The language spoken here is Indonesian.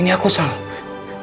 ini aku salah